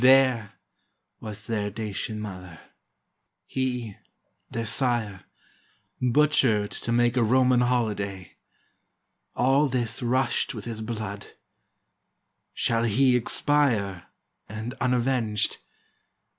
There was their Dacian mother, — he, their sire, Butchered to make a Roman holiday — All this rushed with his blood. — Shall he expire And unavenged?